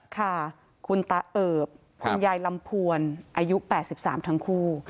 ค่ะคุณตาเอิบคุณยายลำพวนอายุ๘๓ทั้งคู่